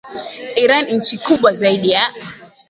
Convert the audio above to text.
Iran nchi kubwa zaidi ya